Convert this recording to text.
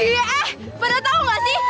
eh pernah tau gak sih